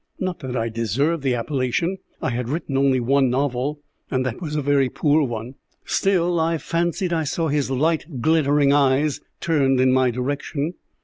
Not that I deserved the appellation. I had written only one novel, and that was a very poor one. Still I fancied I saw his light glittering eyes turned in my direction.